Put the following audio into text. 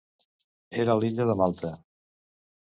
Era l’illa de Malta.